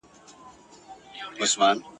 سبا پر دې بنست باندي روڼ پاتېدلای سوای